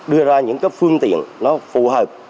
đưa ra những cái phương tiện nó phù hợp